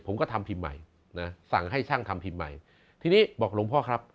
ผมก็ทำพิมพ์ใหม่นะสั่งให้ช่างทำพิมพ์ใหม่ทีนี้บอกหลวงพ่อครับ